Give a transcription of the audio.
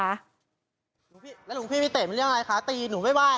แล้วหลวงพี่ไปเตะเป็นเรื่องอะไรคะตีหนูไม่ว่า